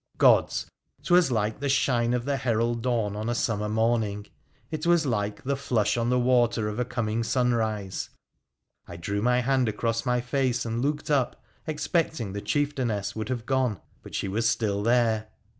Gods ! 'twas like the shine of the herald dawn on a summer morning, it was like the flush on the water of a coming sunrise — I drew my hand across my face and looked up, expecting the chieftainess would have gone, but she was still there.